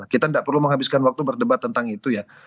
kita tidak perlu menghabiskan waktu berdebat tentang itu ya